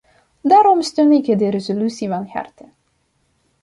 Daarom steun ik de resolutie van harte.